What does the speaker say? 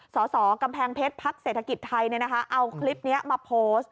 สสกำแพงเพชรพักเศรษฐกิจไทยเอาคลิปนี้มาโพสต์